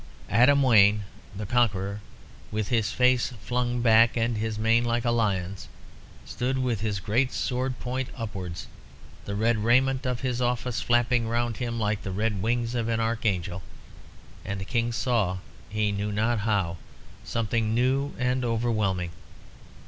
Adam Wayne, the conqueror, with his face flung back, and his mane like a lion's, stood with his great sword point upwards, the red raiment of his office flapping round him like the red wings of an archangel. And the King saw, he knew not how, something new and overwhelming.